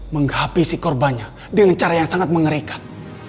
menghapisi korbannya dengan cara yang sangat mengerikan